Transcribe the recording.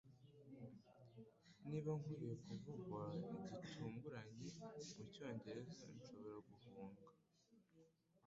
Niba nkwiye kuvugwa gitunguranye mucyongereza nshobora guhunga